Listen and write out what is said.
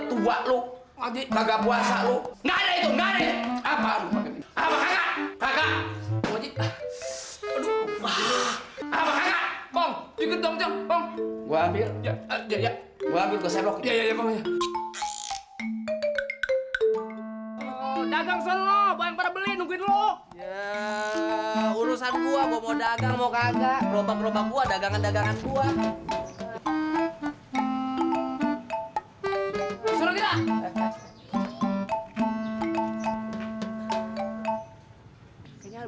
sampai jumpa di video selanjutnya